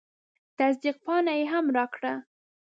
تصدیق پاڼه یې هم راکړه.